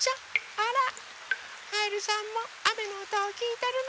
あらカエルさんもあめのおとをきいてるのね。